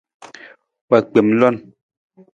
Wa gbem lon.